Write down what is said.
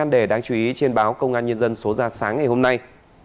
để đáng chú ý trên báo công an nhân dân số ra sáng ngày hôm nay